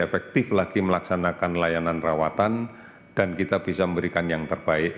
efektif lagi melaksanakan layanan rawatan dan kita bisa memberikan yang terbaik